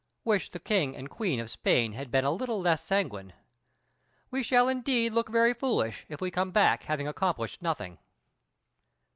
Wish the King and Queen of Spain had been a little less sanguine. We shall indeed look very foolish if we come back having accomplished nothing.